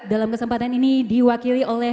dalam kesempatan ini diwakili oleh